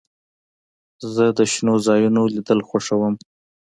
زه د شنو ځایونو لیدل خوښوم.